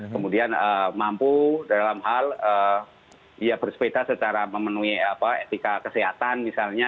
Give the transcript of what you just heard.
kemudian mampu dalam hal ya bersepeda secara memenuhi etika kesehatan misalnya